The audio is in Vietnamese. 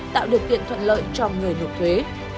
tạo điều kiện thuận lợi cho người nộp thuế